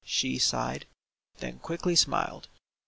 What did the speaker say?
" she sighed. Then quickly smiled.